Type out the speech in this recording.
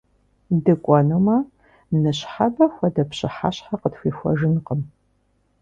ДыкӀуэнумэ, ныщхьэбэ хуэдэ пщыхьэщхьэ къытхуихуэжынкъым!